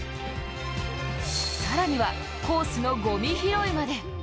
更にはコースのごみ拾いまで。